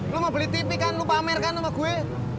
lo mau beli tv kan lu pamer kan sama gue